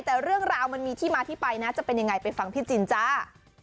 แต่เรื่องราวมันมีที่มาที่ไปนะจะเป็นยังไงไปฟังพี่จินจ้า